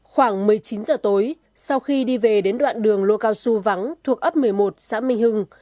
khoảng một mươi chín giờ tối sau khi đi về đến đoạn đường lô cao xu vắng thuộc ấp một mươi một xã minh hưng